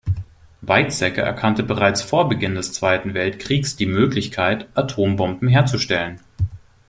Weizsäcker erkannte bereits vor Beginn des Zweiten Weltkriegs die Möglichkeit, Atombomben herzustellen.